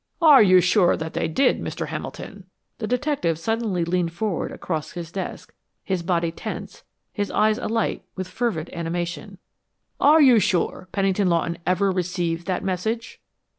"Are you sure that they did, Mr. Hamilton?" The detective suddenly leaned forward across his desk, his body tense, his eyes alight with fervid animation. "Are you sure Pennington Lawton ever received that message?"